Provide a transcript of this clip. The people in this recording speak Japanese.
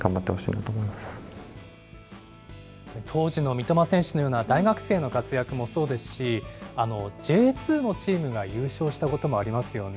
三笘選手のような大学生の活躍もそうですし、Ｊ２のチームが優勝したこともありますよね。